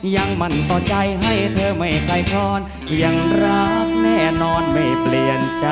ยังมั่นต่อใจให้เธอไม่ไกลคลอนเพียงรักแน่นอนไม่เปลี่ยนใจ